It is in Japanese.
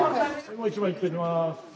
もう一枚いっときます。